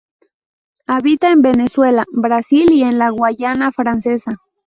Habita en Venezuela, Brasil y en la Guayana francesa.